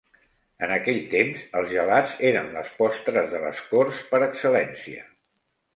En aquell temps els gelats eren les postres de les corts per excel·lència.